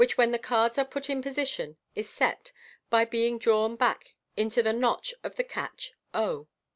289, when the cards are put in position, is " set'' by being drawn back into the notch of the catch 0.